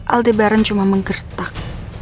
aldi baron cuma menggertak